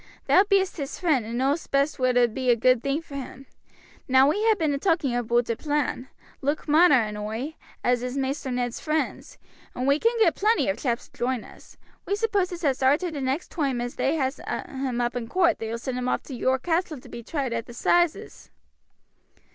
Thou bee'st his friend and know'st best what 'ould be a good thing for him. Now we ha' been a talking aboot a plan, Luke Marner and oi, as is Maister Ned's friends, and we can get plenty of chaps to join us. We supposes as arter the next toime as they has him up in coort they will send him off to York Castle to be tried at the 'sizes."